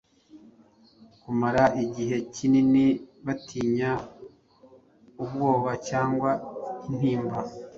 Kumara igihe kinini batinya ubwoba cyangwa intimba